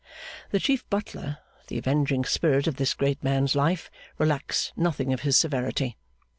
The Chief Butler, the Avenging Spirit of this great man's life, relaxed nothing of his severity.